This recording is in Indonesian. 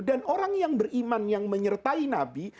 dan orang yang beriman yang menyertai nabi